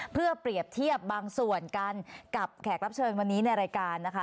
เพื่อเปรียบเทียบบางส่วนกันกับแขกรับเชิญวันนี้ในรายการนะคะ